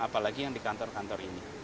apalagi yang di kantor kantor ini